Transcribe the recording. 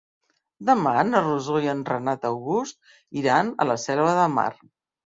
Demà na Rosó i en Renat August iran a la Selva de Mar.